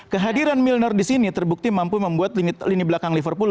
kehadiran milner di sini terbukti mampu membuat lini belakang liverpool